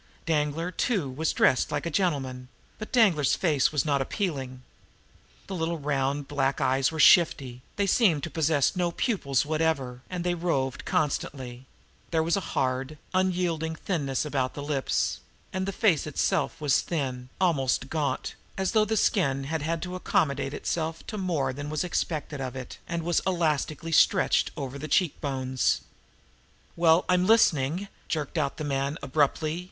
Danglar, too, was dressed like a gentleman but Danglar's face was not appealing. The little round black eyes were shifty, they seemed to possess no pupils whatever, and they roved constantly; there was a hard, unyielding thinness about the lips, and the face itself was thin, almost gaunt, as though the skin had had to accommodate itself to more than was expected of it, and was elastically stretched over the cheek bones. "Well, I'm listening!" jerked out the man abruptly.